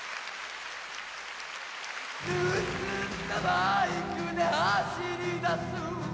「盗んだバイクで走り出す」